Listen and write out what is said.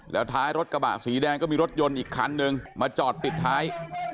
แล้วท้ายรถกระบะสีแดงก็มีรถยนต์อีกคันนึงมาจอดปิดท้าย